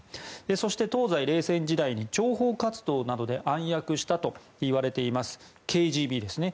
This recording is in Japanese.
そして東西冷戦時代に諜報活動などで暗躍したといわれていますＫＧＢですね。